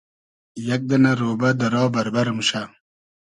یئگ دئنۂ رۉبۂ دۂ را بئربئر موشۂ